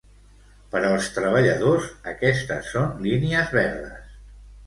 Per als treballadors, aquestes són línies verdes.